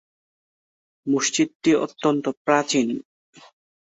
মসজিদটি অত্যন্ত প্রাচীন।